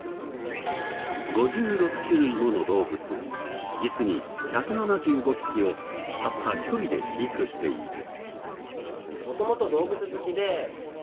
５６種類もの動物実に１７５匹をたった一人で飼育している。